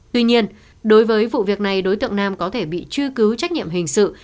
tuy nhiên đối với vụ việc này đối tượng nam có thể bị truy cứu trách nhiệm hình sự